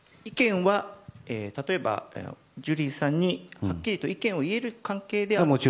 例えば、ジュリーさんにはっきりと意見を言える関係ですか？